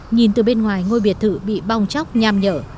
nhìn từ bên ngoài ngôi biệt thự bị bong chóc nham nhở